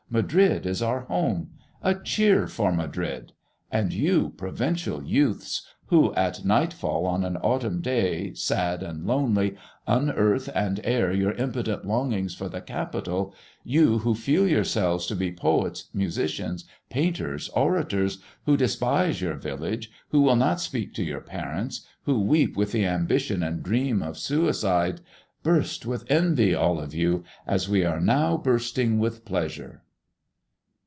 Madrid is our home. A cheer for Madrid! And you, provincial youths, who at nightfall on an autumn day, sad and lonely, unearth and air your impotent longing for the capital, you who feel yourselves to be poets, musicians, painters, orators, who despise your village, who will not speak to your parents, who weep with ambition and dream of suicide, burst with envy, all of you, as we are now bursting with pleasure.